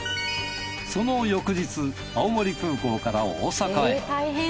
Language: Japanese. その翌日青森空港から大阪へ。